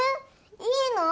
いいの？